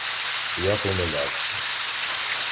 Я помилявся.